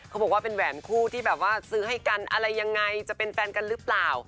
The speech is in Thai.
เขาบอกว่าเป็นแหวนคู่ที่แบบว่าซื้อให้กันอะไรยังไงจะเป็นแฟนกันหรือเปล่า